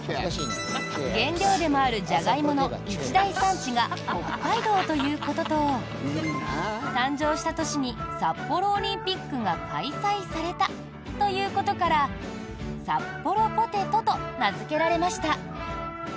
原料でもあるジャガイモの一大産地が北海道ということと誕生した年に札幌オリンピックが開催されたということからサッポロポテトと名付けられました。